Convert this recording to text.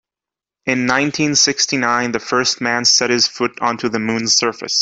In nineteen-sixty-nine the first man set his foot onto the moon's surface.